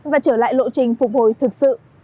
và trở lại lộ trình phục hồi thực sự